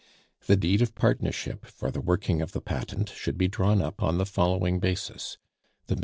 The deed of partnership for the working of the patent should be drawn up on the following basis: The MM.